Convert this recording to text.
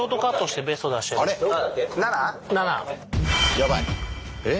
やばい！え？